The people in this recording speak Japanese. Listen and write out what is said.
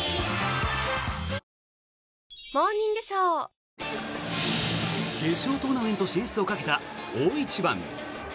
へぇ決勝トーナメント進出をかけた大一番。